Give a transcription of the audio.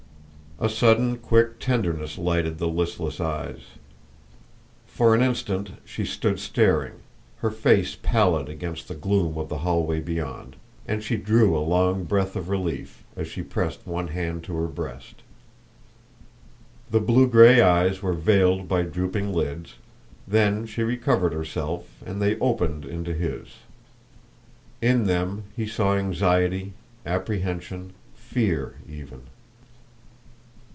A sudden quick tenderness lighted the listless eyes. For an instant she stood staring, her face pallid against the gloom of the hallway beyond, and she drew a long breath of relief, as she pressed one hand to her breast. The blue gray eyes were veiled by drooping lids, then she recovered herself and they opened into his. In them he saw anxiety, apprehension, fear even.